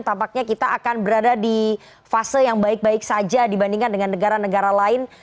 tampaknya kita akan berada di fase yang baik baik saja dibandingkan dengan negara negara lain